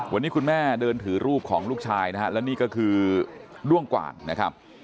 วันนี้คุณแม่เดินถือรูปของลูกชายนะฮะแล้วนี่ก็คือด้วงกว่างนะครับ